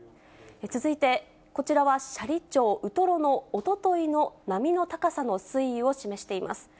続いて、こちらは斜里町ウトロのおとといの波の高さの推移を示しています。